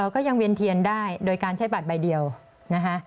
ก็ยังเวียนเทียนได้โดยการใช้บัตรใบเดียวนะคะ